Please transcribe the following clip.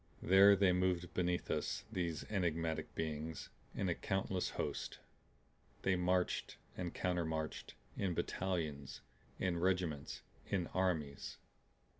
There they moved beneath us, these enigmatic beings, in a countless host. They marched and countermarched in battalions, in regiments, in armies.